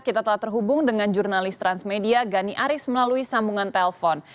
kita telah terhubung dengan jurnalis transmedia gani aris melalui sambungan telpon